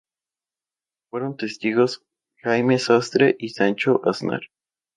Fueron testigos Jaime Sastre y Sancho Aznar.